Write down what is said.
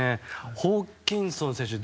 ホーキンソン選手